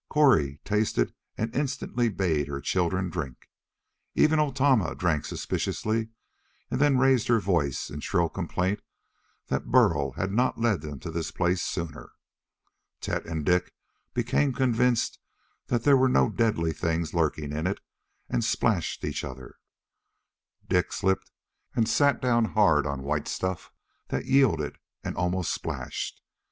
Cori tasted, and instantly bade her children drink. Even old Tama drank suspiciously, and then raised her voice in shrill complaint that Burl had not led them to this place sooner. Tet and Dik became convinced that there were no deadly things lurking in it, and splashed each other. Dik slipped and sat down hard on white stuff that yielded and almost splashed.